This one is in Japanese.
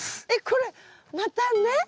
えっこれ「またね」？